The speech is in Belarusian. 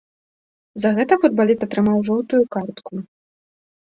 За гэта футбаліст атрымаў жоўтую картку.